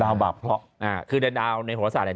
ดาวบาปเคราะห์คือในดาวในโหระศาสตร์เนี่ย